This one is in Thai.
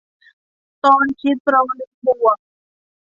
ตอนคิดโปรลืมบวก